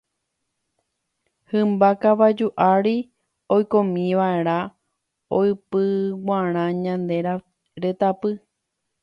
Hymba kavaju ári oikómiva'erã oipyguara ñane retãpy.